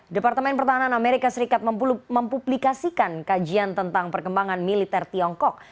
departemen pertahanan amerika serikat mempublikasikan kajian tentang perkembangan militer tiongkok